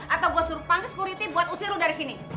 atau gue suruh panggil sekuriti buat usir lo dari sini